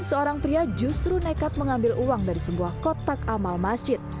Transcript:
seorang pria justru nekat mengambil uang dari sebuah kotak amal masjid